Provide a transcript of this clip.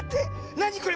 なにこれ？